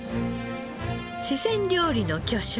四川料理の巨匠